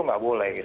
nggak boleh gitu